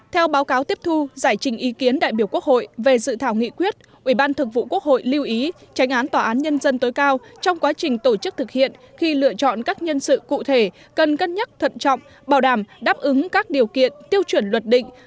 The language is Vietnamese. theo báo cáo tiếp thu giải trình ý kiến đại biểu quốc hội về dự thảo nghị quyết ubthqh lưu ý tranh án tòa án nhân dân tối cao trong quá trình tổ chức thực hiện khi lựa chọn các nhân sự cụ thể cần cân nhắc thận trọng bảo đảm đáp ứng các điều kiện tiêu chuẩn luật định